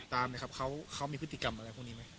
ตามนะครับเขามีพฤติกรรมอะไรพวกนี้ไหม